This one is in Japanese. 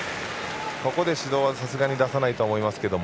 ここで指導はさすがに出さないと思いますけど。